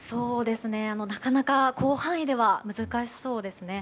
なかなか広範囲では難しそうですね。